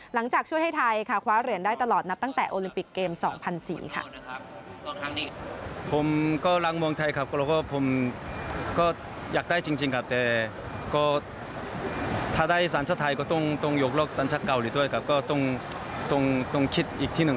หลังจากช่วยให้ไทยขวาเหลือนได้ตลอดตั้งแต่โอลิมปิกเกมส์๒๐๐๔